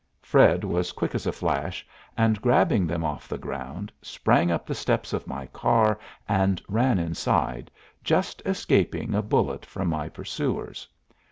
Fred was quick as a flash, and, grabbing them off the ground, sprang up the steps of my car and ran inside, just escaping a bullet from my pursuers.